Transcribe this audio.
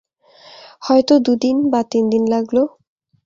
হয়তো দু দিন বা তিন দিন লাগল।